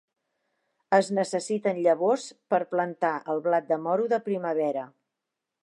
Es necessiten llavors per plantar el blat de moro de primavera.